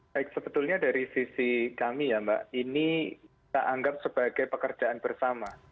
baik sebetulnya dari sisi kami ya mbak ini kita anggap sebagai pekerjaan bersama